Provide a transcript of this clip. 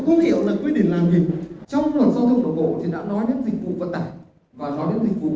cụ thể như quy định trong thời gian một tháng mỗi xe có thể hợp thức hóa điều kiện này bằng cách xoay tua xe từ điểm này qua điểm khác